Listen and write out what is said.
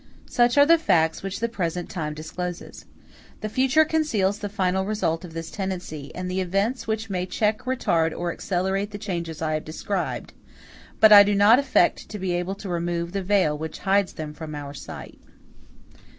Such are the facts which the present time discloses. The future conceals the final result of this tendency, and the events which may check, retard, or accelerate the changes I have described; but I do not affect to be able to remove the veil which hides them from our sight.